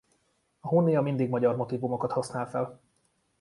A Hunnia mindig magyar motívumokat használ fel.